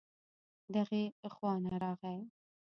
دغې خوا نه راغی